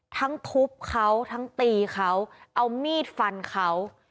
ทั้งทุบเขาทั้งตีเขาเอามีดฟันเขา